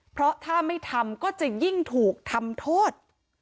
เพราะถ้าไม่ทำก็จะยิ่งถูกทำโทษ